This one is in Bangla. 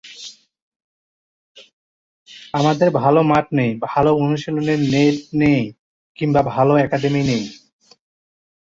আমাদের ভালো মাঠ নেই, ভালো অনুশীলনের নেট নেই কিংবা ভালো একাডেমি নেই।